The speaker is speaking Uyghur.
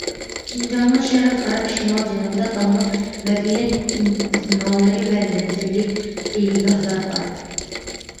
شىنجاڭنىڭ شەرق، غەرب، شىمال، جەنۇبىدا داڭلىق مەدەنىيەت ئىزنالىرى ۋە مەنزىرىلىك سەيلىگاھلار بار.